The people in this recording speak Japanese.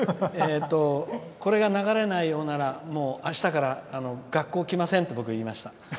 これが流れないようならあしたから学校来ませんって僕、言いました。